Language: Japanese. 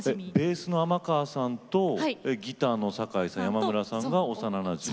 ベースの尼川さんとギターの阪井さん山村さんが幼なじみ。